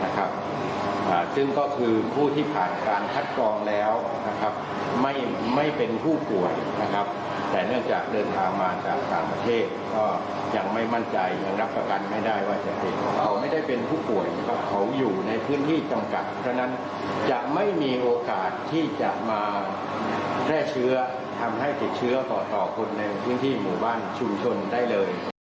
ซึ่งก็คือผู้ที่ผ่านการคัดกรองแล้วนะครับไม่เป็นผู้ป่วยนะครับแต่เนื่องจากเดินทางมาจากต่างประเทศก็ยังไม่มั่นใจยังรับประกันไม่ได้ว่าจะเขาไม่ได้เป็นผู้ป่วยนะครับเขาอยู่ในพื้นที่จำกัดเพราะฉะนั้นจะไม่มีโอกาสที่จะมาแพร่เชื้อทำให้ติดเชื้อต่อคนในพื้นที่หมู่บ้านชุมชนได้เลย